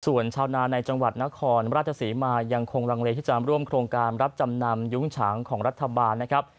ส่วนชาวนาในจังหวัดนครราชศรีมายังคงลังเลที่จะร่วมโครงการรับจำนำยุ้งฉางของรัฐบาลนะครับ